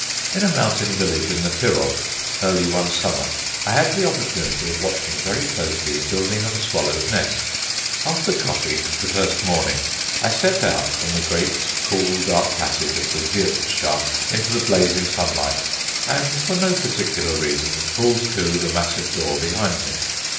In a mountain village in the Tyrol, early one summer, I had the opportunity of watching very closely the building of a swallow's nest. After coffee, the first morning, I stepped out from the great, cool, dark passage of the wirtschaft into the blazing sunlight, and, for no particular reason, pulled to the massive door behind me.